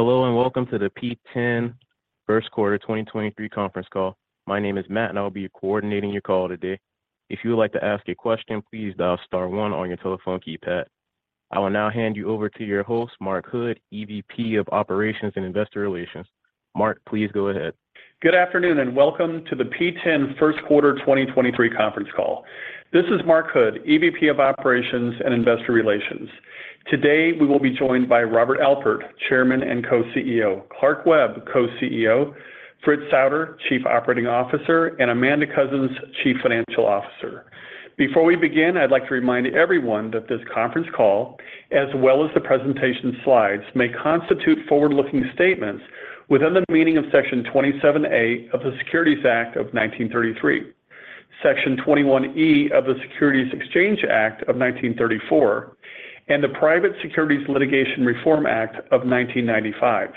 Hello, and welcome to the P10 Q1 2023 Conference call. My name is Matt. I will be coordinating your call today. If you would like to ask a question, please dial star one on your telephone keypad. I will now hand you over to your host, Mark Hood, EVP of Operations and Investor Relations. Mark, please go ahead. Good afternoon, welcome to the P10 Q1 2023 Conference Call. This is Mark Hood, EVP of Operations and Investor Relations. Today, we will be joined by Robert Alpert, Chairman and Co-CEO, C. Clark Webb, Co-CEO, Fritz Souder, Chief Operating Officer, and Amanda Coussens, Chief Financial Officer. Before we begin, I'd like to remind everyone that this conference call, as well as the presentation slides, may constitute forward-looking statements within the meaning of Section 27A of the Securities Act of 1933, Section 21E of the Securities Exchange Act of 1934, and the Private Securities Litigation Reform Act of 1995.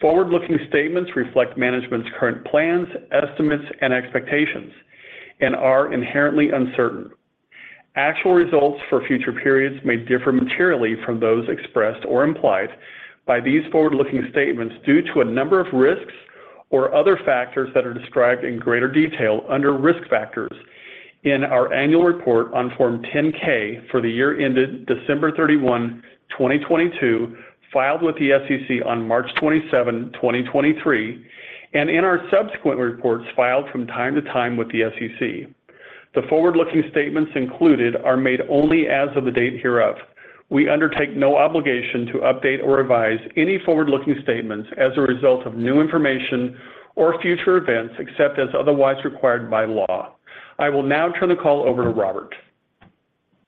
Forward-looking statements reflect management's current plans, estimates, and expectations and are inherently uncertain. Actual results for future periods may differ materially from those expressed or implied by these forward-looking statements due to a number of risks or other factors that are described in greater detail under Risk Factors in our annual report on Form 10-K for the year ended December 31, 2022, filed with the SEC on March 27, 2023, and in our subsequent reports filed from time to time with the SEC. The forward-looking statements included are made only as of the date hereof. We undertake no obligation to update or revise any forward-looking statements as a result of new information or future events, except as otherwise required by law. I will now turn the call over to Robert.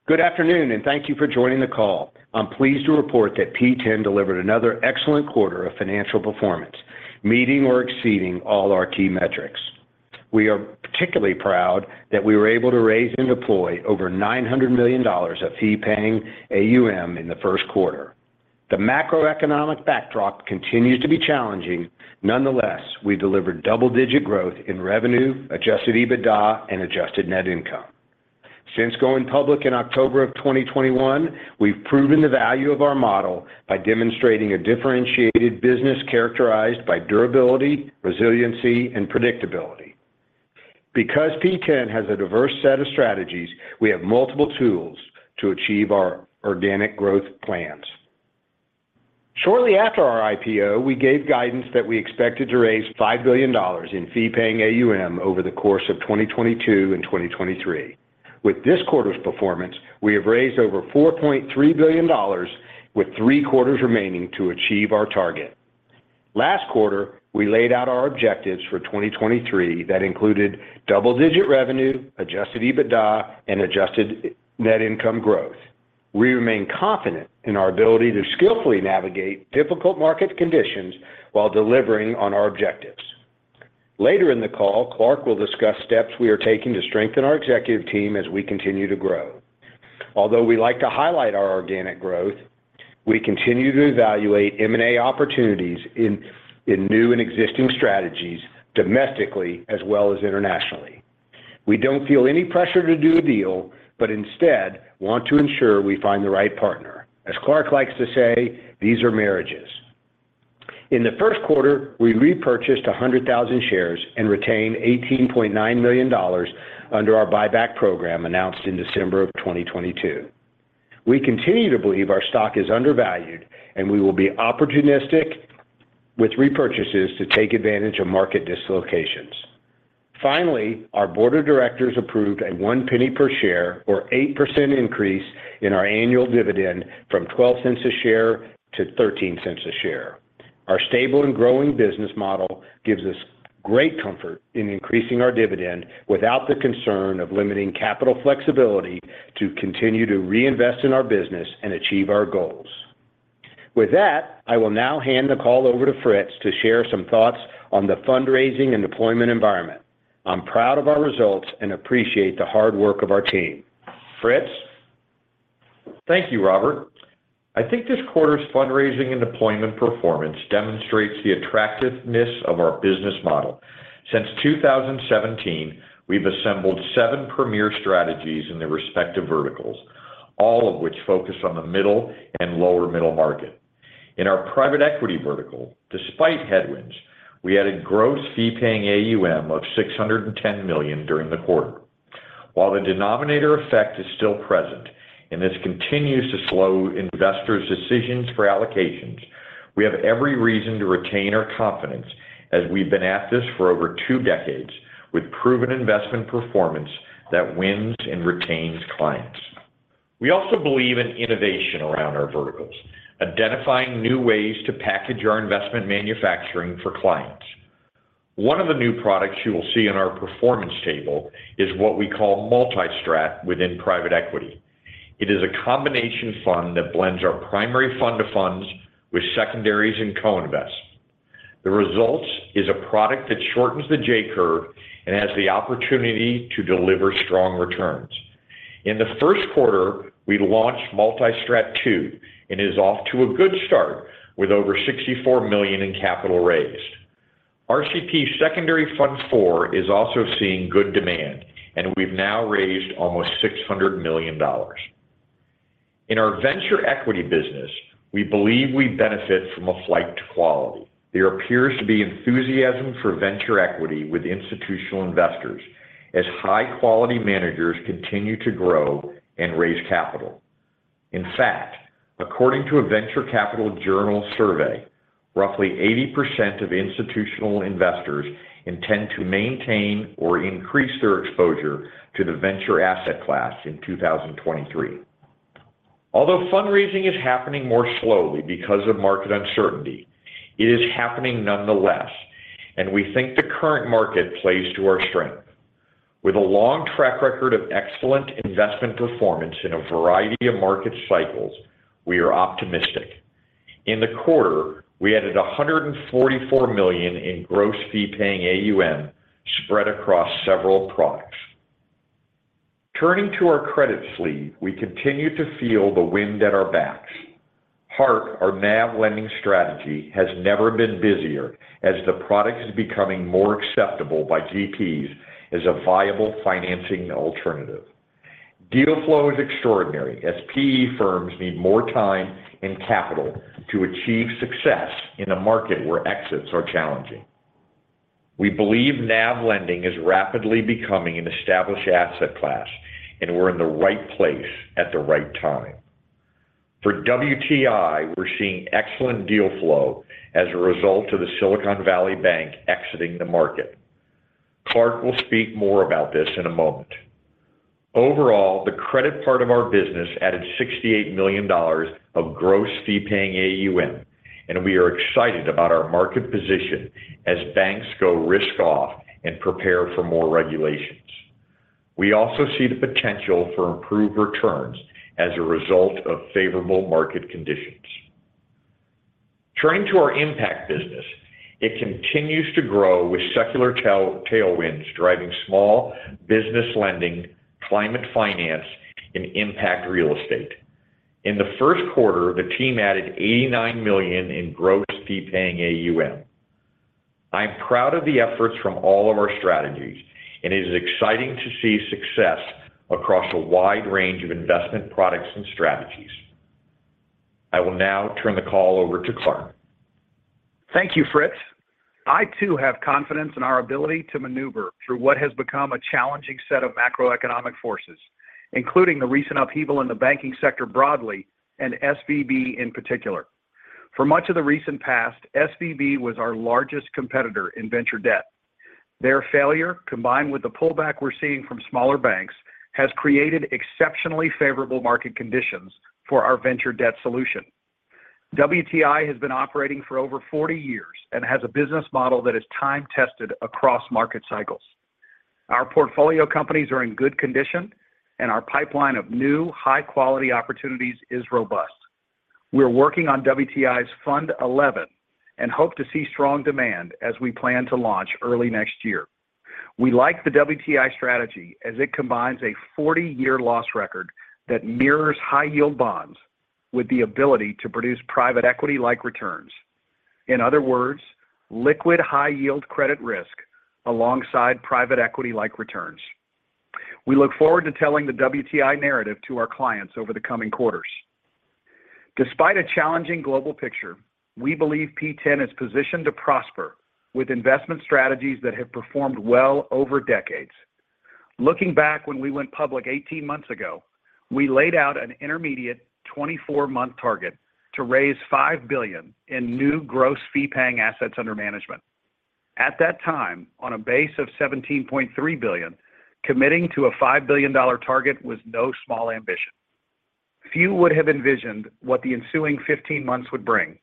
Good afternoon. Thank you for joining the call. I'm pleased to report that P10 delivered another excellent quarter of financial performance, meeting or exceeding all our key metrics. We are particularly proud that we were able to raise and deploy over $900 million of fee-paying AUM in the Q1. The macroeconomic backdrop continues to be challenging. Nonetheless, we delivered double-digit growth in revenue, adjusted EBITDA, and adjusted net income. Since going public in October 2021, we've proven the value of our model by demonstrating a differentiated business characterized by durability, resiliency, and predictability. P10 has a diverse set of strategies, we have multiple tools to achieve our organic growth plans. Shortly after our IPO, we gave guidance that we expected to raise $5 billion in fee-paying AUM over the course of 2022 and 2023. With this quarter's performance, we have raised over $4.3 billion with 3 quarters remaining to achieve our target. Last quarter, we laid out our objectives for 2023 that included double-digit revenue, adjusted EBITDA, and adjusted net income growth. We remain confident in our ability to skillfully navigate difficult market conditions while delivering on our objectives. Later in the call, Clark will discuss steps we are taking to strengthen our executive team as we continue to grow. Although we like to highlight our organic growth, we continue to evaluate M&A opportunities in new and existing strategies domestically as well as internationally. We don't feel any pressure to do a deal, but instead want to ensure we find the right partner. As Clark likes to say, "These are marriages." In the Q1, we repurchased 100,000 shares and retained $18.9 million under our buyback program announced in December of 2022. We continue to believe our stock is undervalued. We will be opportunistic with repurchases to take advantage of market dislocations. Finally, our board of directors approved a $0.01 per share or 8% increase in our annual dividend from $0.12 a share to $0.13 a share. Our stable and growing business model gives us great comfort in increasing our dividend without the concern of limiting capital flexibility to continue to reinvest in our business and achieve our goals. With that, I will now hand the call over to Fritz to share some thoughts on the fundraising and deployment environment. I'm proud of our results and appreciate the hard work of our team. Fritz? Thank you, Robert. I think this quarter's fundraising and deployment performance demonstrates the attractiveness of our business model. Since 2017, we've assembled seven premier strategies in their respective verticals, all of which focus on the middle and lower middle market. In our private equity vertical, despite headwinds, we added gross fee-paying AUM of $610 million during the quarter. While the denominator effect is still present, and this continues to slow investors' decisions for allocations, we have every reason to retain our confidence as we've been at this for over two decades with proven investment performance that wins and retains clients. We also believe in innovation around our verticals, identifying new ways to package our investment manufacturing for clients. One of the new products you will see in our performance table is what we call Multi-Strat within private equity. It is a combination fund that blends our primary fund-to-funds with secondaries and co-invest. The results is a product that shortens the J-curve and has the opportunity to deliver strong returns. In the Q1, we launched Multi-Strat II, and it is off to a good start with over $64 million in capital raised. RCP Secondary Fund IV is also seeing good demand, and we've now raised almost $600 million. In our venture equity business, we believe we benefit from a flight to quality. There appears to be enthusiasm for venture equity with institutional investors as high-quality managers continue to grow and raise capital. In fact, according to a Venture Capital Journal survey, roughly 80% of institutional investors intend to maintain or increase their exposure to the venture asset class in 2023. Although fundraising is happening more slowly because of market uncertainty, it is happening nonetheless. We think the current market plays to our strength. With a long track record of excellent investment performance in a variety of market cycles, we are optimistic. In the quarter, we added $144 million in gross fee-paying AUM spread across several products. Turning to our credit sleeve, we continue to feel the wind at our backs. Hark, our NAV lending strategy, has never been busier as the product is becoming more acceptable by GPs as a viable financing alternative. Deal flow is extraordinary as PE firms need more time and capital to achieve success in a market where exits are challenging. We believe NAV lending is rapidly becoming an established asset class, and we're in the right place at the right time. For WTI, we're seeing excellent deal flow as a result of the Silicon Valley Bank exiting the market. Clark will speak more about this in a moment. Overall, the credit part of our business added $68 million of gross fee-paying AUM. We are excited about our market position as banks go risk-off and prepare for more regulations. We also see the potential for improved returns as a result of favorable market conditions. Turning to our impact business, it continues to grow with secular tailwinds driving small business lending, climate finance, and impact real estate. In the Q1, the team added $89 million in gross fee-paying AUM. I am proud of the efforts from all of our strategies. It is exciting to see success across a wide range of investment products and strategies. I will now turn the call over to Clark. Thank you, Doug. I too have confidence in our ability to maneuver through what has become a challenging set of macroeconomic forces, including the recent upheaval in the banking sector broadly and SVB in particular. For much of the recent past, SVB was our largest competitor in venture debt. Their failure, combined with the pullback we're seeing from smaller banks, has created exceptionally favorable market conditions for our venture debt solution. WTI has been operating for over 40 years and has a business model that is time-tested across market cycles. Our portfolio companies are in good condition, and our pipeline of new high-quality opportunities is robust. We are working on WTI's Fund XI and hope to see strong demand as we plan to launch early next year. We like the WTI strategy as it combines a 40-year loss record that mirrors high-yield bonds with the ability to produce private equity-like returns. In other words, liquid high-yield credit risk alongside private equity-like returns. We look forward to telling the WTI narrative to our clients over the coming quarters. Despite a challenging global picture, we believe P10 is positioned to prosper with investment strategies that have performed well over decades. Looking back when we went public 18 months ago, we laid out an intermediate 24-month target to raise $5 billion in new gross fee-paying assets under management. At that time, on a base of $17.3 billion, committing to a $5 billion target was no small ambition. Few would have envisioned what the ensuing 15 months would bring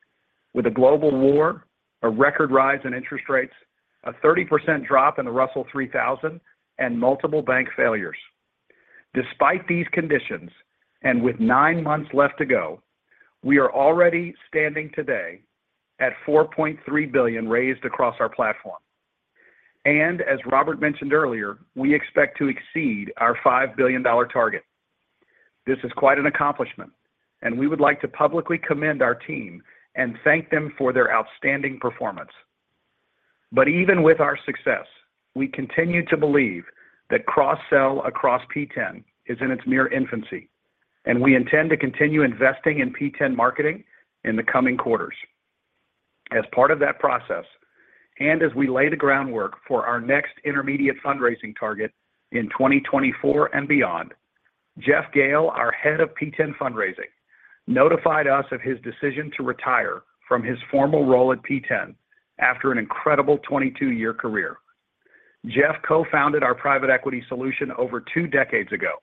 with a global war, a record rise in interest rates, a 30% drop in the Russell 3000, and multiple bank failures. Despite these conditions, and with 9 months left to go, we are already standing today at $4.3 billion raised across our platform. As Robert mentioned earlier, we expect to exceed our $5 billion target. This is quite an accomplishment, and we would like to publicly commend our team and thank them for their outstanding performance. Even with our success, we continue to believe that cross-sell across P10 is in its mere infancy, and we intend to continue investing in P10 marketing in the coming quarters. As part of that process, and as we lay the groundwork for our next intermediate fundraising target in 2024 and beyond, Jeff Gehl, our head of P10 fundraising, notified us of his decision to retire from his formal role at P10 after an incredible 22-year career. Jeff co-founded our private equity solution over two decades ago,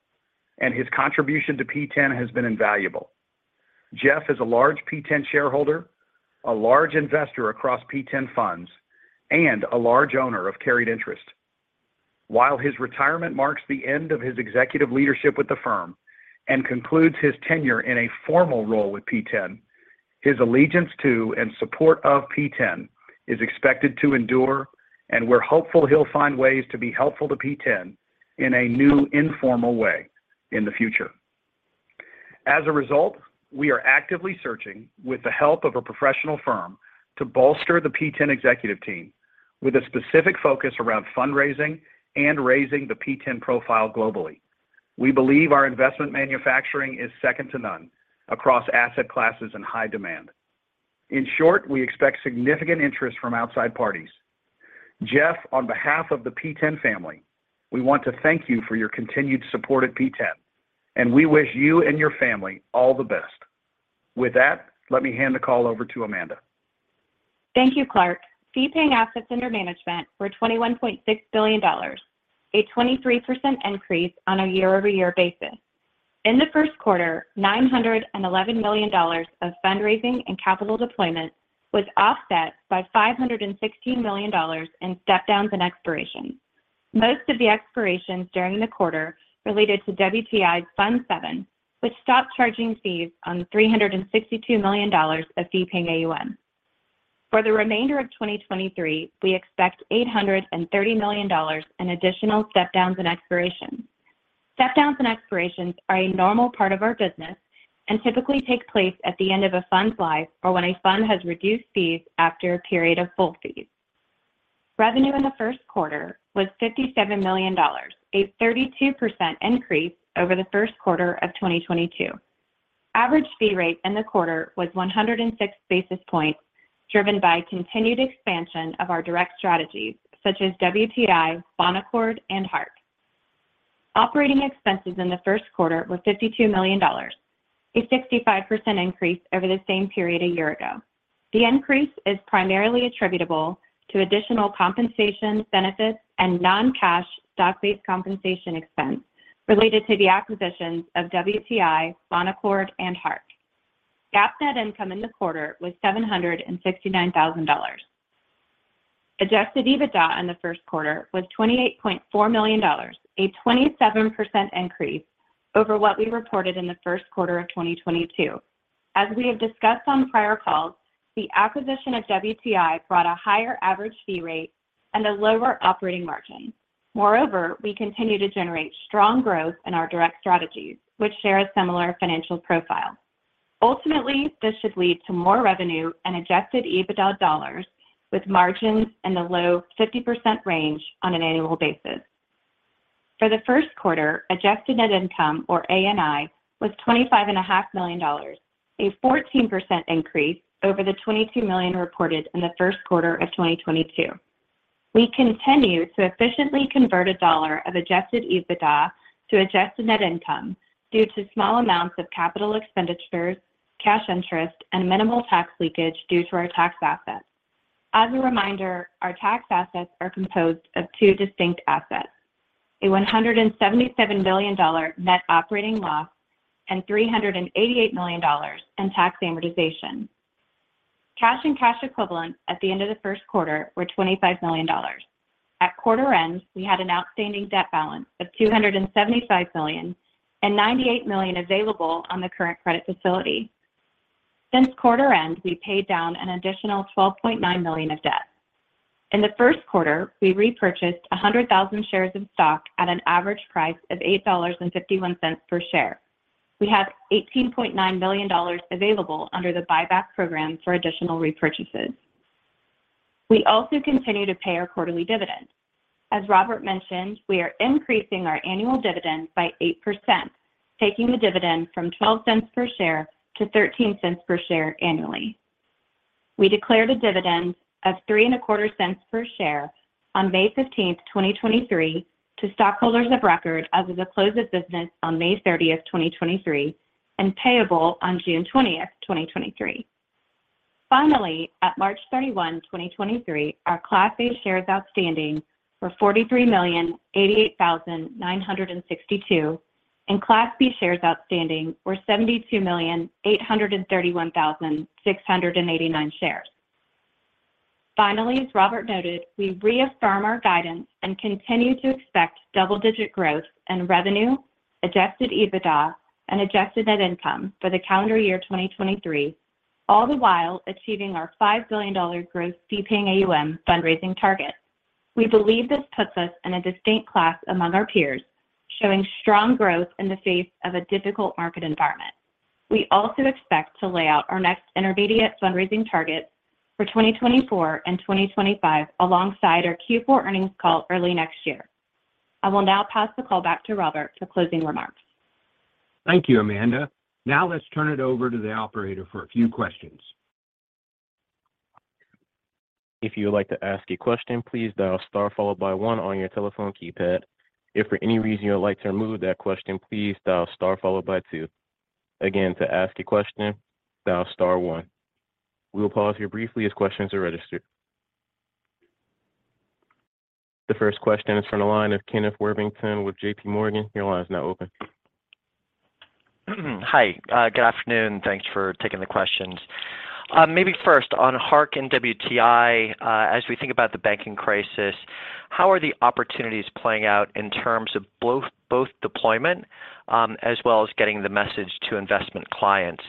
and his contribution to P10 has been invaluable. Jeff is a large P10 shareholder, a large investor across P10 funds, and a large owner of carried interest. While his retirement marks the end of his executive leadership with the firm and concludes his tenure in a formal role with P10, his allegiance to and support of P10 is expected to endure. We're hopeful he'll find ways to be helpful to P10 in a new informal way in the future. As a result, we are actively searching with the help of a professional firm to bolster the P10 executive team with a specific focus around fundraising and raising the P10 profile globally. We believe our investment manufacturing is second to none across asset classes in high demand. In short, we expect significant interest from outside parties. Jeff, on behalf of the P10 family, we want to thank you for your continued support at P10. We wish you and your family all the best. With that, let me hand the call over to Amanda. Thank you, Clark. Fee-paying assets under management were $21.6 billion, a 23% increase on a year-over-year basis. In the Q1, $911 million of fundraising and capital deployment was offset by $516 million in step downs and expirations. Most of the expirations during the quarter related to WTI's Fund VII, which stopped charging fees on $362 million of fee-paying AUM. For the remainder of 2023, we expect $830 million in additional step downs and expirations. Step downs and expirations are a normal part of our business and typically take place at the end of a fund's life or when a fund has reduced fees after a period of full fees. Revenue in the Q1 was $57 million, a 32% increase over the Q1 of 2022. Average fee rate in the quarter was 106 basis points, driven by continued expansion of our direct strategies such as WTI, Bonaccord, and Hark. Operating expenses in the Q1 were $52 million, a 65% increase over the same period a year ago. The increase is primarily attributable to additional compensation benefits and non-cash stock-based compensation expense related to the acquisitions of WTI, Bonaccord, and Hark. GAAP net income in the quarter was $769,000. Adjusted EBITDA in the Q1 was $28.4 million, a 27% increase over what we reported in the Q1 of 2022. As we have discussed on prior calls, the acquisition of WTI brought a higher average fee rate and a lower operating margin. Moreover, we continue to generate strong growth in our direct strategies, which share a similar financial profile. Ultimately, this should lead to more revenue and adjusted EBITDA dollars with margins in the low 50% range on an annual basis. For the Q1, adjusted net income or ANI was $25.5 million, a 14% increase over the $22 million reported in the Q1 of 2022. We continue to efficiently convert a dollar of adjusted EBITDA to adjusted net income due to small amounts of capital expenditures, cash interest, and minimal tax leakage due to our tax assets. As a reminder, our tax assets are composed of two distinct assets, a $177 billion net operating loss and $388 million in tax amortization. Cash and cash equivalents at the end of the Q1 were $25 million. At quarter end, we had an outstanding debt balance of $275 million and $98 million available on the current credit facility. Since quarter end, we paid down an additional $12.9 million of debt. In the Q1, we repurchased 100,000 shares of stock at an average price of $8.51 per share. We have $18.9 million available under the buyback program for additional repurchases. We also continue to pay our quarterly dividend. As Robert mentioned, we are increasing our annual dividend by 8%, taking the dividend from $0.12 per share to $0.13 per share annually. We declared a dividend of three and a quarter cents per share on May 15, 2023 to stockholders of record as of the close of business on May 30, 2023, and payable on June 20, 2023. Finally, at March 31, 2023, our Class A shares outstanding were 43,088,962, and Class B shares outstanding were 72,831,689 shares. Finally, as Robert noted, we reaffirm our guidance and continue to expect double-digit growth in revenue, adjusted EBITDA, and adjusted net income for the calendar year 2023, all the while achieving our $5 billion gross fee-paying AUM fundraising target. We believe this puts us in a distinct class among our peers, showing strong growth in the face of a difficult market environment. We also expect to lay out our next intermediate fundraising targets for 2024 and 2025 alongside our Q4 earnings call early next year. I will now pass the call back to Robert for closing remarks. Thank you, Amanda. Let's turn it over to the operator for a few questions. If you would like to ask a question, please dial star followed by one on your telephone keypad. If for any reason you would like to remove that question, please dial star followed by two. Again, to ask a question, dial star one. We will pause here briefly as questions are registered. The first question is from the line of Kenneth Worthington with JPMorgan. Your line is now open. Hi. Good afternoon. Thanks for taking the questions. maybe first on Hark WTI, as we think about the banking crisis, how are the opportunities playing out in terms of both deployment, as well as getting the message to investment clients?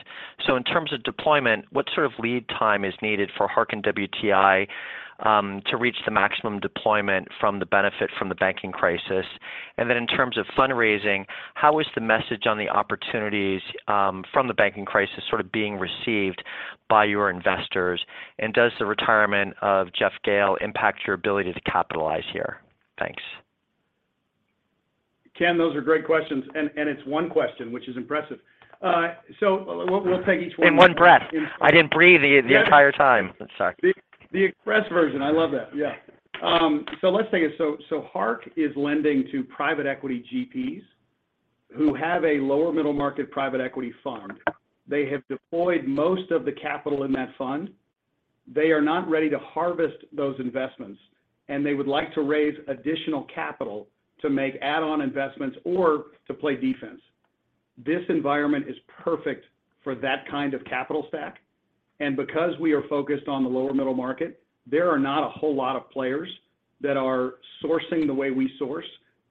In terms of deployment, what lead time is needed for Hark WTI to reach the maximum deployment from the benefit from the banking crisis. In terms of fundraising, how is the message on the opportunities from the banking crisis being received by your investors? Does the retirement of Jeff Gehl impact your ability to capitalize here? Thanks. Ken, those are great questions. It's one question, which is impressive. We'll take each one. In one breath. I didn't breathe the entire time. I'm sorry. The express version. I love that. Yeah. Let's take it. Hark is lending to private equity GPs who have a lower middle market private equity fund. They have deployed most of the capital in that fund. They are not ready to harvest those investments, and they would like to raise additional capital to make add-on investments or to play defense. This environment is perfect for that capital stack. Because we are focused on the lower middle market, there are not a whole lot of players that are sourcing the way we source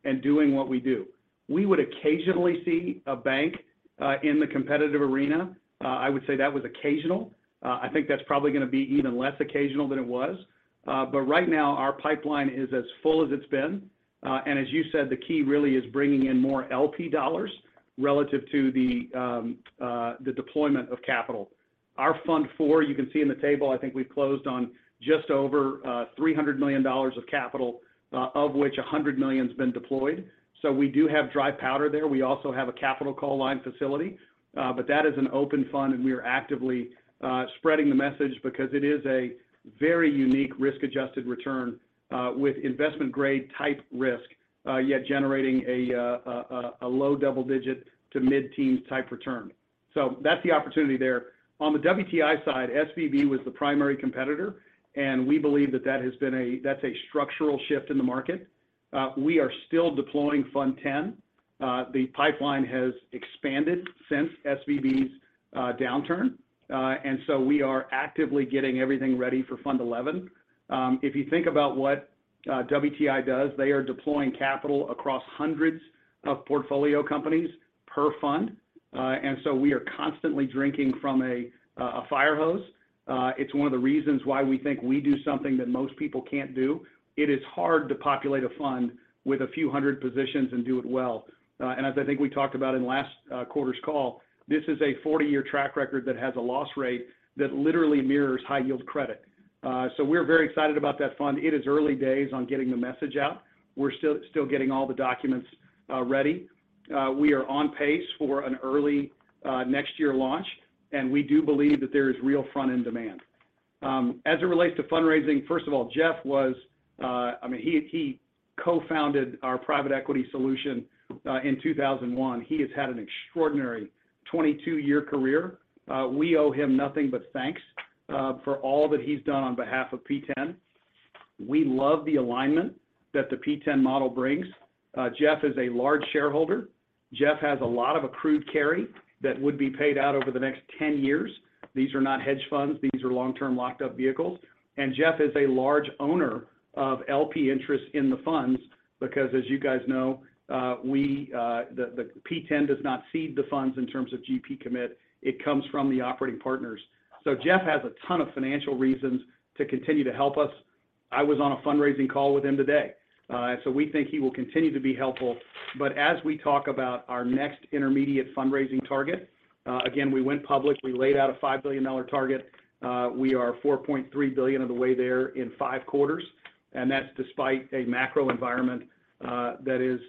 and doing what we do. We would occasionally see a bank in the competitive arena. I would say that was occasional. I think that's probably going to be even less occasional than it was. Right now, our pipeline is as full as it's been. As you said, the key really is bringing in more LP $ relative to the deployment of capital. Our Fund IV, you can see in the table, I think we've closed on just over $300 million of capital, of which $100 million's been deployed. We do have dry powder there. We also have a capital call line facility, but that is an open fund, we are actively spreading the message because it is a very unique risk-adjusted return with investment grade type risk, yet generating a low double-digit to mid-teen type return. That's the opportunity there. On the WTI side, SVB was the primary competitor, we believe that that's a structural shift in the market. We are still deploying Fund X. The pipeline has expanded since SVB's downturn. We are actively getting everything ready for Fund XI. If you think about what WTI does, they are deploying capital across hundreds of portfolio companies per fund. We are constantly drinking from a fire hose. It's one of the reasons why we think we do something that most people can't do. It is hard to populate a fund with a few hundred positions and do it well. As I think we talked about in last quarter's call, this is a 40-year track record that has a loss rate that literally mirrors high yield credit. We're very excited about that fund. It is early days on getting the message out. We're still getting all the documents ready. We are on pace for an early next year launch, and we do believe that there is real front-end demand. As it relates to fundraising, first of all, Jeff was, I mean, he co-founded our private equity solution in 2001. He has had an extraordinary 22-year career. We owe him nothing but thanks for all that he's done on behalf of P10. We love the alignment that the P10 model brings. Sean is a large shareholder. Sean has a lot of accrued carry that would be paid out over the next 10 years. These are not hedge funds, these are long-term locked up vehicles. Sean is a large owner of LP interest in the funds because as you guys know, we, the P10 does not seed the funds in terms of GP commitment. It comes from the operating partners. Jeff has a ton of financial reasons to continue to help us. I was on a fundraising call with him today. So we think he will continue to be helpful. As we talk about our next intermediate fundraising target, again, we went public, we laid out a $5 billion target. We are $4.3 billion of the way there in 5 quarters, and that's despite a macro environment that is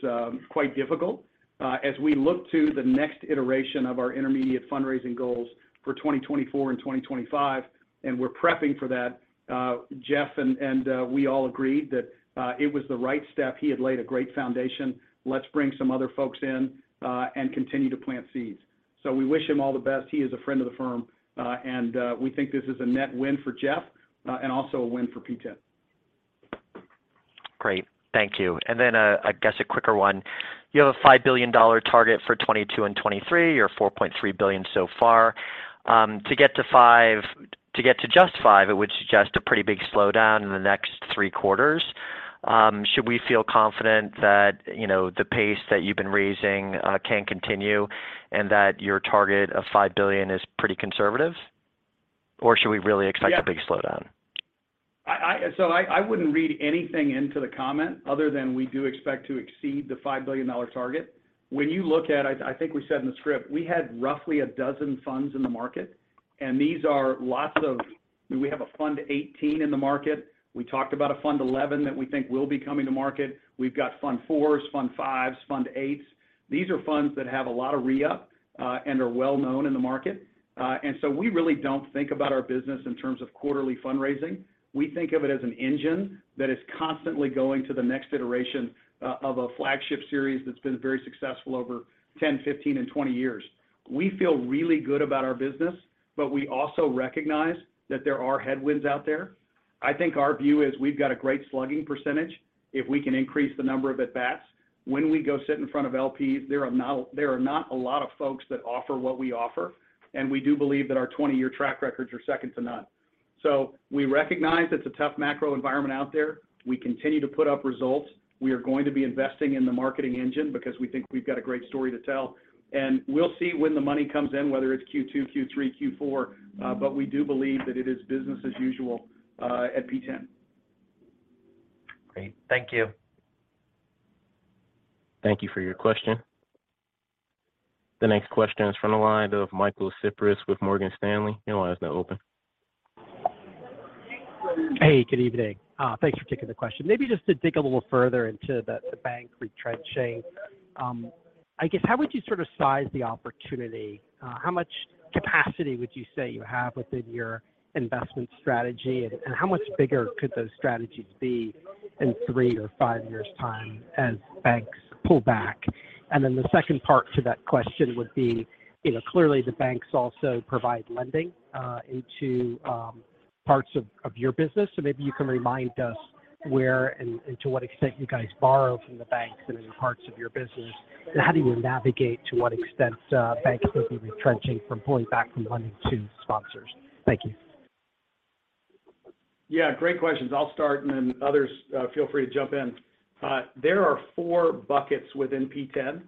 quite difficult. As we look to the next iteration of our intermediate fundraising goals for 2024 and 2025, and we're prepping for that, Jeff and we all agreed that it was the right step. He had laid a great foundation. Let's bring some other folks in and continue to plant seeds. we wish him all the best. He is a friend of the firm, and we think this is a net win for Jeff, and also a win for P10. Great. Thank you. I guess a quicker one. You have a $5 billion target for 2022 and 2023 or $4.3 billion so far. To get to just 5, it would suggest a pretty big slowdown in the next three quarters. Should we feel confident that, you know, the pace that you've been raising can continue and that your target of $5 billion is pretty conservative? Or should we really expect? Yeah a big slowdown? I wouldn't read anything into the comment other than we do expect to exceed the $5 billion target. I think we said in the script, we had roughly 12 funds in the market. We have a Fund XVIII in the market. We talked about a Fund XI that we think will be coming to market. We've got Fund IVs, Fund Vs, Fund VIIIs. These are funds that have a lot of reup and are well known in the market. We really don't think about our business in terms of quarterly fundraising. We think of it as an engine that is constantly going to the next iteration of a flagship series that's been very successful over 10, 15, and 20 years. We feel really good about our business, but we also recognize that there are headwinds out there. I think our view is we've got a great slugging percentage if we can increase the number of at-bats. When we go sit in front of LPs, there are not a lot of folks that offer what we offer, and we do believe that our 20-year track records are second to none. We recognize it's a tough macro environment out there. We continue to put up results. We are going to be investing in the marketing engine because we think we've got a great story to tell. We'll see when the money comes in, whether it's Q2, Q3, Q4, but we do believe that it is business as usual at P10. Great. Thank you. Thank you for your question. The next question is from the line of Michael Cyprys with Morgan Stanley. Your line is now open. Hey, good evening. Thanks for taking the question. Maybe just to dig a little further into the bank retrenching. I guess, how would you size the opportunity? How much capacity would you say you have within your investment strategy? How much bigger could those strategies be in 3 or 5 years' time as banks pull back? The second part to that question would be, you know, clearly the banks also provide lending into parts of your business. Maybe you can remind us where and, to what extent you guys borrow from the banks and in parts of your business, and how do you navigate to what extent banks could be retrenching from pulling back from lending to sponsors. Thank you. Yeah, great questions. I'll start and then others, feel free to jump in. There are four buckets within P10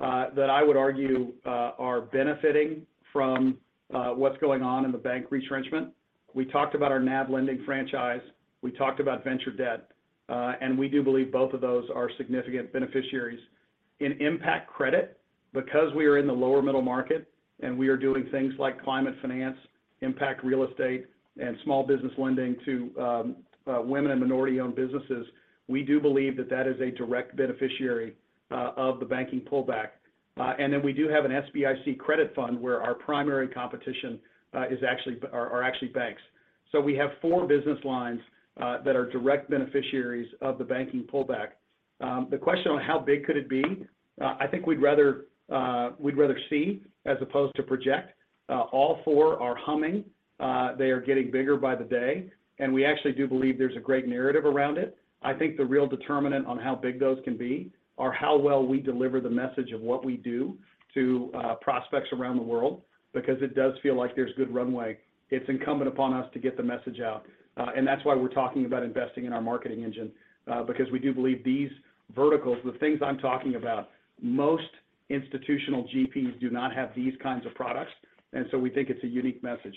that I would argue are benefiting from what's going on in the bank retrenchment. We talked about our NAV lending franchise, we talked about venture debt, and we do believe both of those are significant beneficiaries. In impact credit, because we are in the lower middle market, and we are doing things like climate finance, impact real estate, and small business lending to women and minority-owned businesses, we do believe that that is a direct beneficiary of the banking pullback. We do have an SBIC credit fund where our primary competition is actually banks. We have four business lines that are direct beneficiaries of the banking pullback. The question on how big could it be, I think we'd rather, we'd rather see as opposed to project. All 4 are humming. They are getting bigger by the day, and we actually do believe there's a great narrative around it. I think the real determinant on how big those can be are how well we deliver the message of what we do to prospects around the world, because it does feel like there's good runway. It's incumbent upon us to get the message out. That's why we're talking about investing in our marketing engine, because we do believe these verticals, the things I'm talking about, most institutional GPs do not have these kinds of products. We think it's a unique message.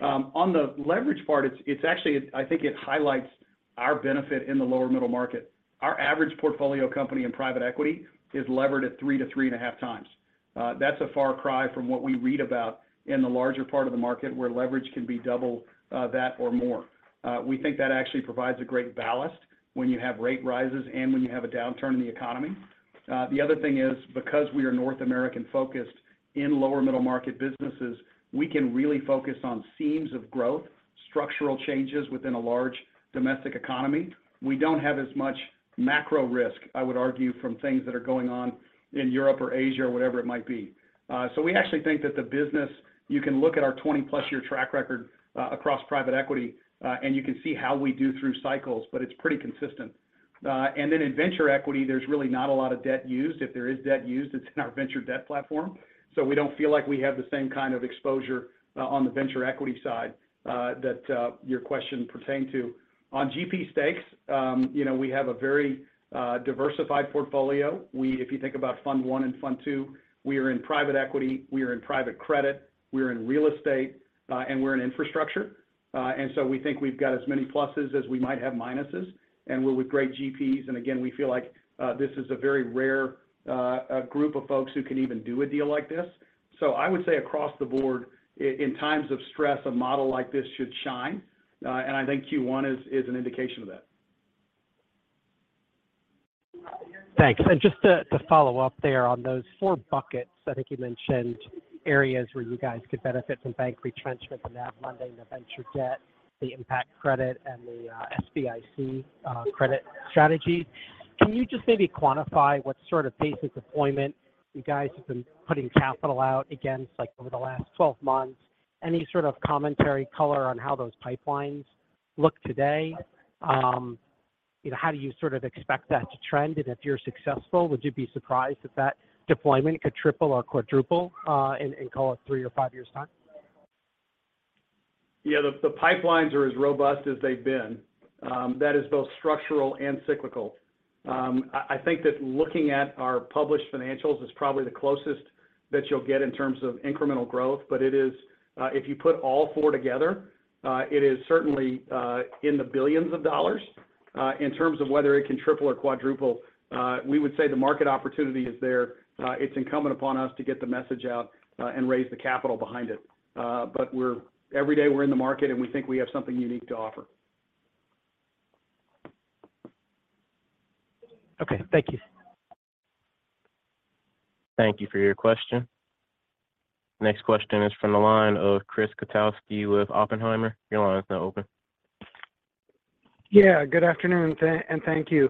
On the leverage part, it's actually... I think it highlights our benefit in the lower middle market. Our average portfolio company in private equity is levered at 3x-3.5x. That's a far cry from what we read about in the larger part of the market where leverage can be double that or more. We think that actually provides a great ballast when you have rate rises and when you have a downturn in the economy. The other thing is, because we are North American-focused in lower middle market businesses, we can really focus on seams of growth, structural changes within a large domestic economy. We don't have as much macro risk, I would argue, from things that are going on in Europe or Asia or whatever it might be. We actually think that the business, you can look at our 20-plus year track record across private equity, and you can see how we do through cycles, but it's pretty consistent. In venture equity, there's really not a lot of debt used. If there is debt used, it's in our venture debt platform. We don't feel like we have the same exposure on the venture equity side that your question pertained to. On GP stakes, you know, we have a very diversified portfolio. If you think about Fund I and Fund II, we are in private equity, we are in private credit, we are in real estate, and we're in infrastructure. We think we've got as many pluses as we might have minuses, and we're with great GPs. Again, we feel like this is a very rare group of folks who can even do a deal like this. I would say across the board, in times of stress, a model like this should shine. I think Q1 is an indication of that. Thanks. Just to follow up there on those 4 buckets, I think you mentioned areas where you guys could benefit from bank retrenchment, the NAV lending, the venture debt, the impact credit, and the SBIC credit strategy. Can you just maybe quantify what pace of deployment you guys have been putting capital out against, like over the last 12 months? Any commentary color on how those pipelines look today? You know, how do you expect that to trend? If you're successful, would you be surprised if that deployment could triple or quadruple in call it 3 or 5 years' time? Yeah, the pipelines are as robust as they've been. That is both structural and cyclical. I think that looking at our published financials is probably the closest that you'll get in terms of incremental growth but it is, if you put all four together, it is certainly in the billions of dollars. In terms of whether it can triple or quadruple, we would say the market opportunity is there. It's incumbent upon us to get the message out and raise the capital behind it. Every day we're in the market, and we think we have something unique to offer. Okay. Thank you. Thank you for your question. Next question is from the line of Chris Kotowski with Oppenheimer. Your line is now open. Good afternoon. Thank you.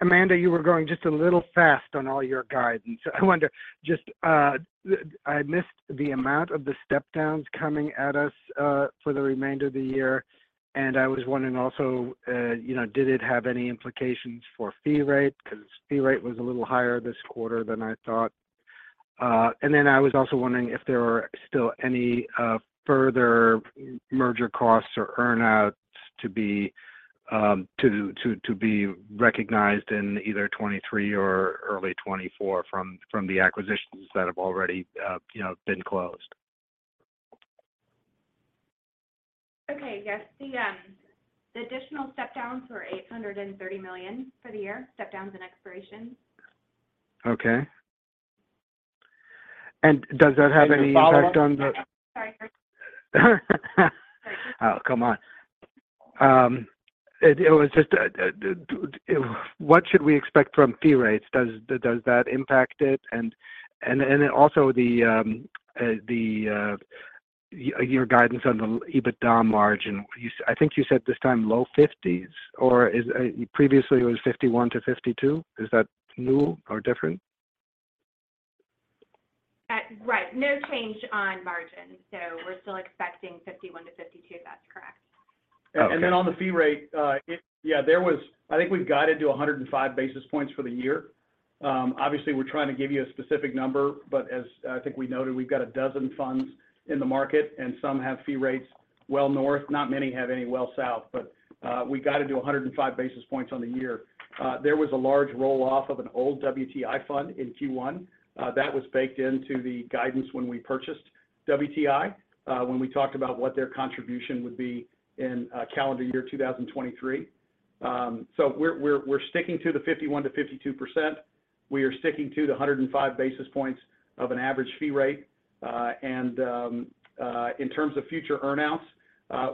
Amanda, you were going just a little fast on all your guidance. I wonder just, I missed the amount of the step downs coming at us for the remainder of the year. I was wondering also, you know, did it have any implications for fee rate? Cause fee rate was a little higher this quarter than I thought. I was also wondering if there are still any further merger costs or earn outs to be recognized in either 2023 or early 2024 from the acquisitions that have already, you know, been closed. Okay. Yes, the additional step downs were $830 million for the year, step downs and expirations. Okay. Does that have any impact on the-? A follow-up? Sorry, Chris. Oh, come on. It was just, what should we expect from fee rates? Does that impact it? Also the your guidance on the EBITDA margin. I think you said this time low 50s, or previously it was 51-52. Is that new or different? Right. No change on margin. We're still expecting 51%-52%. That's correct. Okay. On the fee rate, Yeah, I think we've guided to 105 basis points for the year. Obviously, we're trying to give you a specific number, but as I think we noted, we've got 12 funds in the market, and some have fee rates well north. Not many have any well south. We guided to 105 basis points on the year. There was a large roll-off of an old WTI fund in Q1. That was baked into the guidance when we purchased WTI, when we talked about what their contribution would be in calendar year 2023. We're sticking to the 51%-52%. We are sticking to the 105 basis points of an average fee rate. In terms of future earn-outs,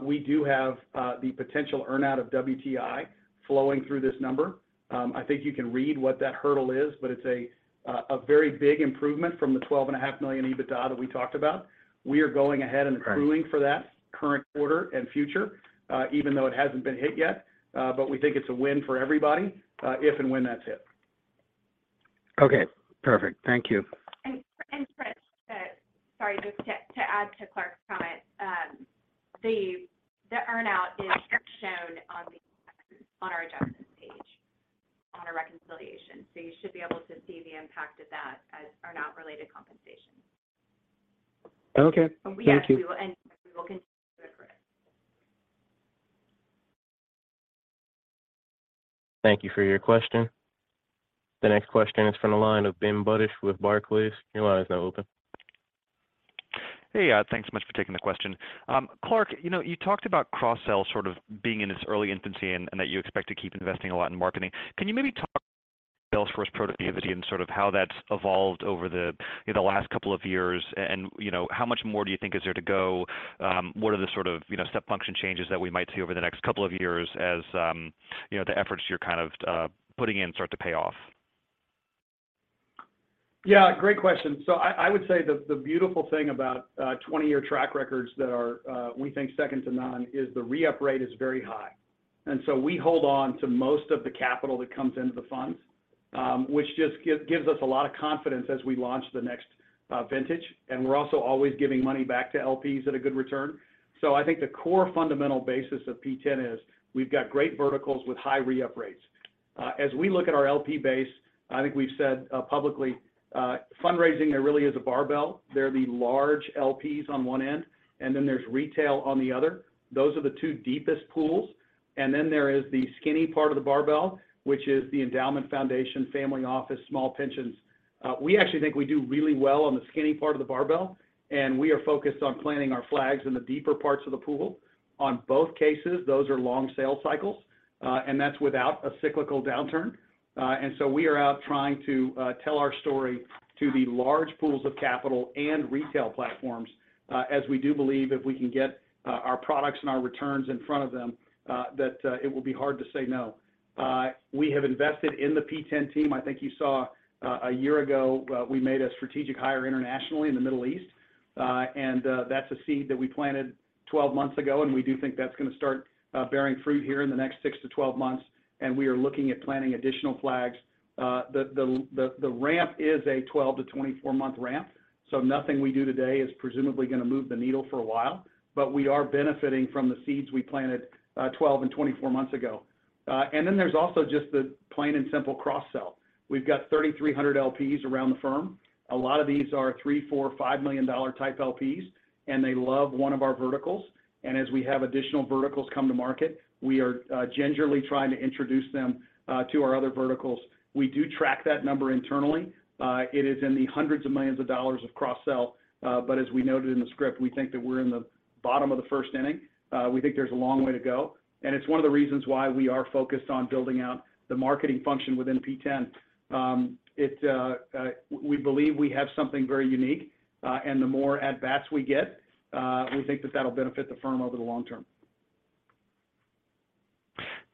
we do have the potential earn-out of WTI flowing through this number. I think you can read what that hurdle is, but it's a very big improvement from the $12.5 million EBITDA that we talked about. We are going ahead. Correct... accruing for that current quarter and future, even though it hasn't been hit yet. We think it's a win for everybody, if and when that's hit. Okay, perfect. Thank you. Chris, sorry, just to add to Clark's comment, the earn-out is shown on our adjustment page, on our reconciliation. You should be able to see the impact of that as earn-out related compensation. Okay. Thank you. We actually will, and we will continue to accrue. Thank you for your question. The next question is from the line of Benjamin Budish with Barclays. Your line is now open. Hey. Thanks so much for taking the question. Clark, you know, you talked about cross-sell being in its early infancy and that you expect to keep investing a lot in marketing. Can you maybe talk Salesforce productivity and how that's evolved over the, you know, the last couple of years and, you know, how much more do you think is there to go? What are the, you know, step function changes that we might see over the next couple of years as, you know, the efforts you're putting in start to pay off? Yeah, great question. I would say the beautiful thing about 20-year track records that are we think second to none is the re-up rate is very high. We hold on to most of the capital that comes into the funds, which just gives us a lot of confidence as we launch the next vintage. We're also always giving money back to LPs at a good return. I think the core fundamental basis of P10 is we've got great verticals with high re-up rates. As we look at our LP base, I think we've said publicly, fundraising there really is a barbell. There are the large LPs on one end, and then there's retail on the other. Those are the two deepest pools. There is the skinny part of the barbell, which is the endowment foundation, family office, small pensions. We actually think we do really well on the skinny part of the barbell, and we are focused on planting our flags in the deeper parts of the pool. On both cases, those are long sales cycles, that's without a cyclical downturn. We are out trying to tell our story to the large pools of capital and retail platforms, as we do believe if we can get our products and our returns in front of them, that it will be hard to say no. We have invested in the P10 team. I think you saw a year ago, we made a strategic hire internationally in the Middle East. That's a seed that we planted 12 months ago, and we do think that's going to start bearing fruit here in the next 6-12 months, and we are looking at planting additional flags. The ramp is a 12-24 month ramp, so nothing we do today is presumably going to move the needle for a while. We are benefiting from the seeds we planted, 12 and 24 months ago. Then there's also just the plain and simple cross-sell. We've got 3,300 LPs around the firm. A lot of these are $3 million, $4 million, $5 million type LPs, and they love one of our verticals. As we have additional verticals come to market, we are gingerly trying to introduce them to our other verticals. We do track that number internally. It is in the hundreds of millions of dollars of cross-sell. As we noted in the script, we think that we're in the bottom of the first inning. We think there's a long way to go, and it's one of the reasons why we are focused on building out the marketing function within P10. It, we believe we have something very unique, and the more at bats we get, we think that that'll benefit the firm over the long term.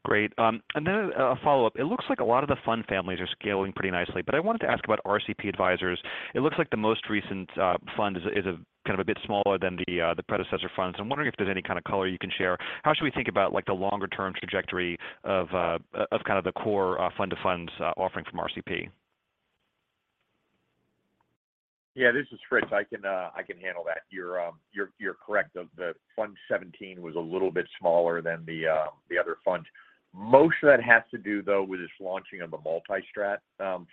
Great. A follow-up. It looks like a lot of the fund families are scaling pretty nicely, but I wanted to ask about RCP Advisors. It looks like the most recent fund is a bit smaller than the predecessor funds. I'm wondering if there's any color you can share. How should we think about, like, the longer term trajectory of the core fund-to-funds offering from RCP? This is Fritz. I can handle that. You're correct of the Fund XVII was a little bit smaller than the other funds. Most of that has to do, though, with this launching of the Multi-Strat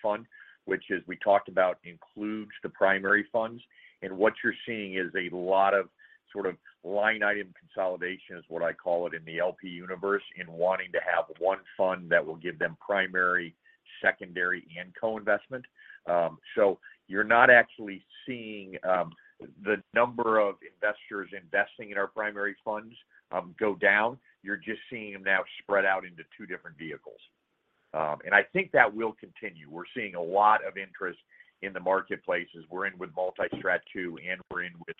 fund, which, as we talked about, includes the primary funds. What you're seeing is a lot of line item consolidation is what I call it in the LP universe in wanting to have one fund that will give them primary, secondary, and co-investment. You're not actually seeing the number of investors investing in our primary funds go down. You're just seeing them now spread out into two different vehicles. I think that will continue. We're seeing a lot of interest in the marketplace as we're in with Multi-Strat II and we're in with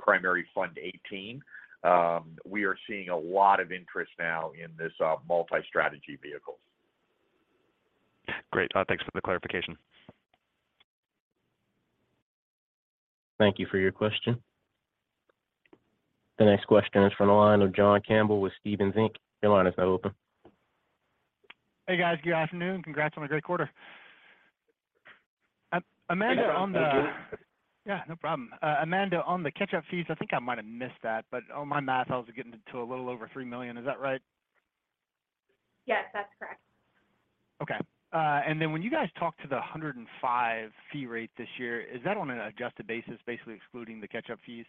Primary Fund XVIII. We are seeing a lot of interest now in this multi-strategy vehicles. Great. Thanks for the clarification. Thank you for your question. The next question is from the line of John Campbell with Stephens Inc.. Your line is now open. Hey, guys. Good afternoon. Congrats on a great quarter. Amanda, Thank you. Yeah, no problem. Amanda, on the catch-up fees, I think I might have missed that, but on my math, I was getting to a little over $3 million. Is that right? Yes, that's correct. Okay. Then when you guys talk to the 105 fee rate this year, is that on an adjusted basis, basically excluding the catch-up fees?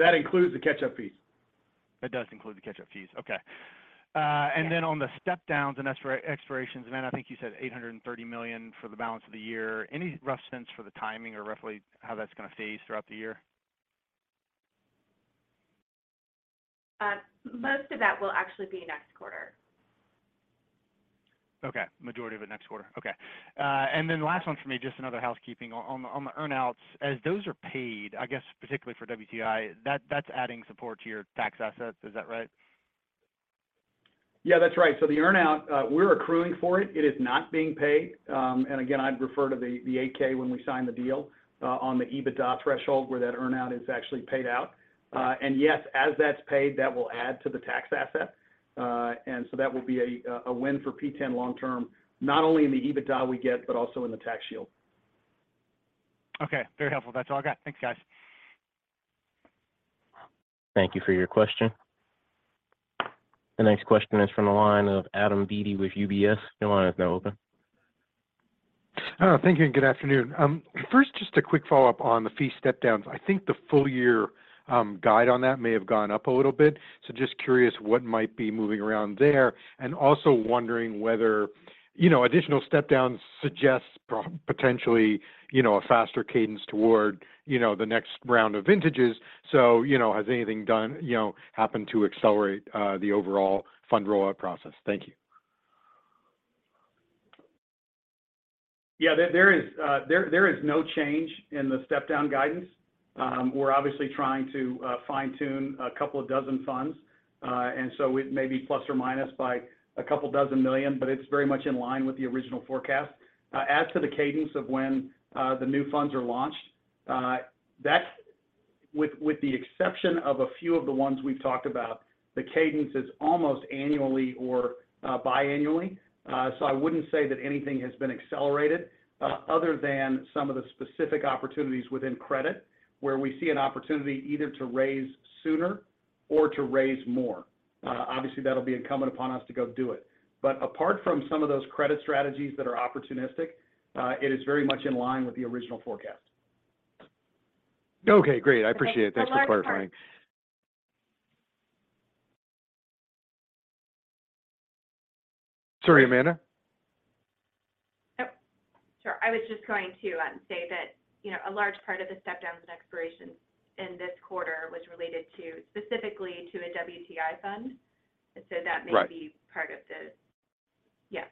That includes the catch-up fees. That does include the catch-up fees. Okay. Then on the step-downs and expirations, Amanda Coussens, I think you said $830 million for the balance of the year. Any rough sense for the timing or roughly how that's going to phase throughout the year? Most of that will actually be next quarter. Okay. Majority of it next quarter. Okay. Then last one for me, just another housekeeping. On the earn-outs, as those are paid, I guess particularly for WTI, that's adding support to your tax assets. Is that right? Yeah, that's right. The earn-out, we're accruing for it. It is not being paid. Again, I'd refer to the 8-K when we sign the deal on the EBITDA threshold where that earn-out is actually paid out. Yes, as that's paid, that will add to the tax asset. That will be a win for P10 long term, not only in the EBITDA we get, but also in the tax shield. Okay. Very helpful. That's all I got. Thanks, guys. Thank you for your question. The next question is from the line of Adam Beatty with UBS. Your line is now open. Thank you and good afternoon. First, just a quick follow-up on the fee step-downs. I think the full year guide on that may have gone up a little bit. Just curious what might be moving around there. Also wondering whether, you know, additional step-downs suggest potentially, you know, a faster cadence toward, you know, the next round of vintages. You know, has anything, you know, happened to accelerate the overall fund rollout process? Thank you. Yeah. There is no change in the step-down guidance. We're obviously trying to fine-tune a couple of dozen funds, it may be ± couple dozen million dollars, but it's very much in line with the original forecast. As to the cadence of when the new funds are launched, with the exception of a few of the ones we've talked about, the cadence is almost annually or biannually. I wouldn't say that anything has been accelerated, other than some of the specific opportunities within credit, where we see an opportunity either to raise sooner or to raise more. Obviously that'll be incumbent upon us to go do it. Apart from some of those credit strategies that are opportunistic, it is very much in line with the original forecast. Okay, great. I appreciate it. A large part- Thanks for clarifying. Sorry, Amanda? Yep. Sure. I was just going to say that, you know, a large part of the step-downs and expirations in this quarter was related to, specifically to a WTI fund. Right. That may be part of the. Yeah.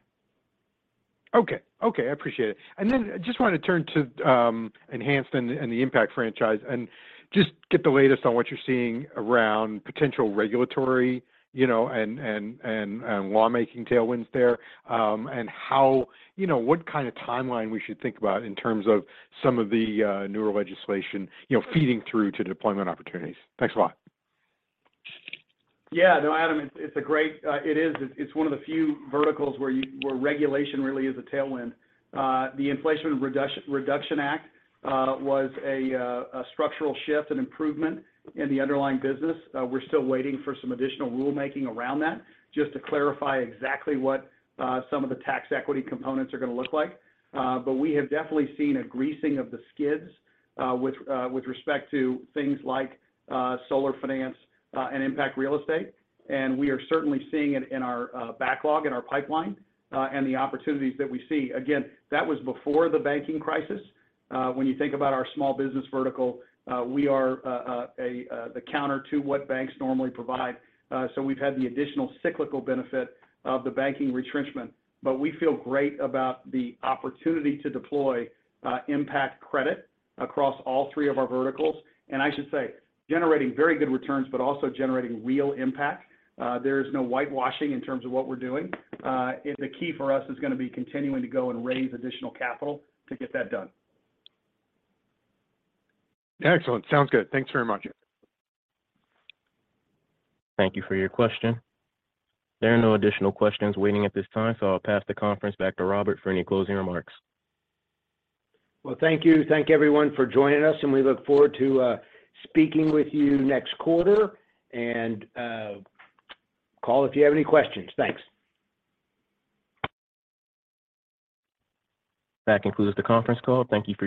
Okay. Okay, I appreciate it. I just wanted to turn to Enhanced and the impact franchise, and just get the latest on what you're seeing around potential regulatory, you know, and lawmaking tailwinds there. How, you know, what timeline we should think about in terms of some of the newer legislation, you know, feeding through to deployment opportunities. Thanks a lot. Yeah. No, Adam, it is. It's one of the few verticals where regulation really is a tailwind. The Inflation Reduction Act was a structural shift, an improvement in the underlying business. We're still waiting for some additional rulemaking around that, just to clarify exactly what some of the tax equity components are going to look like. We have definitely seen a greasing of the skids with respect to things like solar finance and impact real estate. We are certainly seeing it in our backlog, in our pipeline, and the opportunities that we see. Again, that was before the banking crisis. When you think about our small business vertical, we are the counter to what banks normally provide. We've had the additional cyclical benefit of the banking retrenchment. We feel great about the opportunity to deploy impact credit across all three of our verticals. I should say, generating very good returns, but also generating real impact. There is no whitewashing in terms of what we're doing. The key for us is going to be continuing to go and raise additional capital to get that done. Excellent. Sounds good. Thanks very much. Thank you for your question. There are no additional questions waiting at this time. I'll pass the conference back to Robert for any closing remarks. Well, thank you. Thank everyone for joining us, and we look forward to speaking with you next quarter. Call if you have any questions. Thanks. That concludes the conference call. Thank you for your participation.